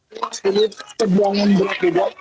ini kegangan berat juga